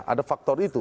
ada faktor itu